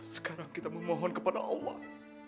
sekarang kita memohon kepada allah